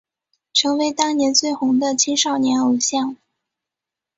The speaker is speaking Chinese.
成为当年最红的青少年偶像。